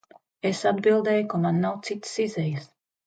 Es atbildēju, ka man nav citas izejas.